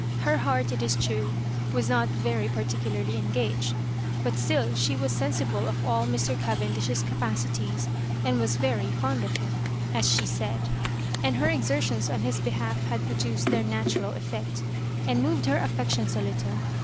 Her heart, it is true, was not very particularly engaged ; but still she was sensible of all Mr. Cavendish's capaci ties, and was '* very fond " of him, as she said ; and her exertions on his behalf had produced their natural effect, and moved her affections a little.